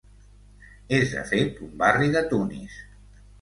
És de fet un barri de Tunis.